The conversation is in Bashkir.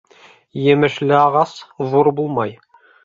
Емешле ағас ҙур булмай.